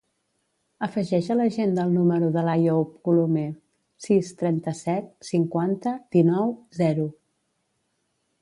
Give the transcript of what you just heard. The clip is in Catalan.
Afegeix a l'agenda el número de l'Àyoub Colomer: sis, trenta-set, cinquanta, dinou, zero.